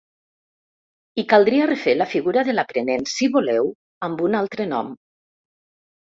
I caldria refer la figura de l’aprenent, si voleu amb un altre nom.